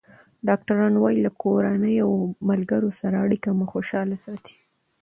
ډاکټران وايي له کورنۍ او ملګرو سره اړیکه مو خوشحاله ساتي.